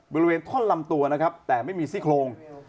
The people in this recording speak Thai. บริเวณท่อนลำตัวนะครับแต่ไม่มีซี่โครง